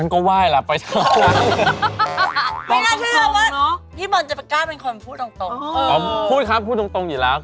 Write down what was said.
สมมุติอภิษฎานี่เท้าเหม็นมาก